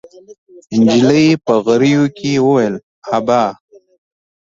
نجلۍ په غريو کې وويل: ابا!